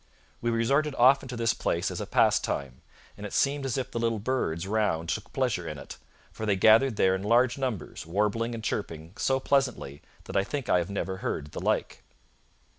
We resorted often to this place as a pastime; and it seemed as if the little birds round took pleasure in it, for they gathered there in large numbers, warbling and chirping so pleasantly that I think I have never heard the like.'